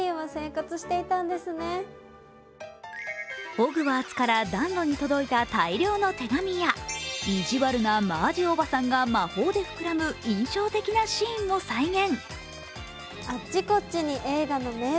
ホグワーツから暖炉に届いた大量の手紙や意地悪なマージおばさんが魔法で膨らむ印象的なシーンを再現。